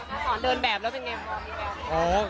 มาสอนเดินแบบแล้วเป็นไงครับ